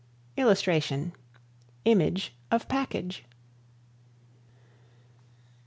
[Illustration: Image of package.